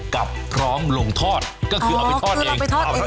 กับพร้อมลงทอดก็คือเอาไปทอดเอง